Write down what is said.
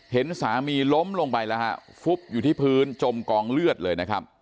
เห็นสามีล้มลงไปแล้วฮะฟุบอยู่ที่พื้นจมกองเลือดเลยนะครับ